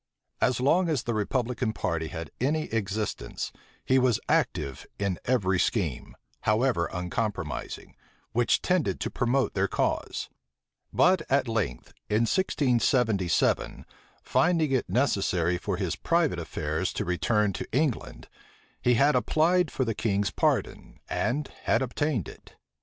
As long as the republican party had any existence, he was active in every scheme, however unpromising, which tended to promote their cause; but at length, in 1677, finding it necessary for his private affairs to return to England, he had applied for the king's pardon, and had obtained it.